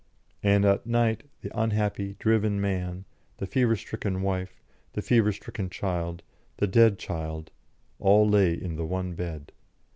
And at night the unhappy, driven man, the fever stricken wife, the fever stricken child, the dead child, all lay in the one bed.